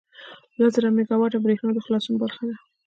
لس زره میګاوټه بریښنا د خلاصون برخه ده.